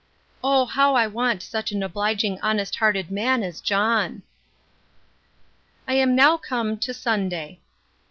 O how I want such an obliging honest hearted man as John! I am now come to SUNDAY.